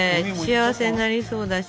幸せになりそうだし。